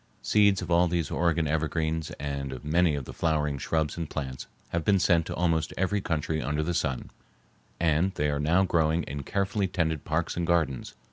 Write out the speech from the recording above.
Seeds of all these Oregon evergreens and of many of the flowering shrubs and plants have been sent to almost every country under the sun, and they are now growing in carefully tended parks and gardens.